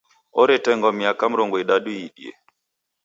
Oretengwa miaka mrongo idadu iidie.